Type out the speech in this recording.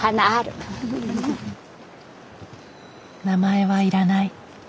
名前はいらない。